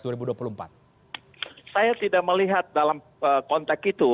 saya tidak melihat dalam konteks itu